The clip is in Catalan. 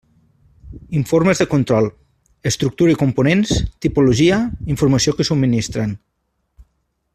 Informes de control: estructura i components, tipologia, informació que subministren.